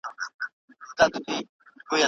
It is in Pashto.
ساینس پوهنځۍ بې بودیجې نه تمویلیږي.